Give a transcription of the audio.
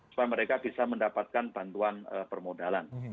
supaya mereka bisa mendapatkan bantuan permodalan